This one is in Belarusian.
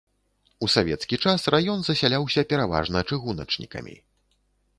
У савецкі час раён засяляўся пераважна чыгуначнікамі.